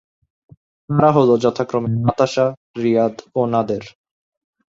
তারা হলো যথাক্রমে নাতাশা, রিয়াদ ও নাদের।